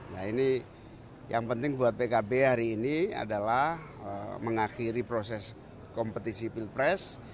nah ini yang penting buat pkb hari ini adalah mengakhiri proses kompetisi pilpres